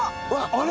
あれ？